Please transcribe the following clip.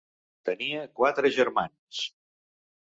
Tenia quatre germans.